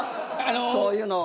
そういうのも。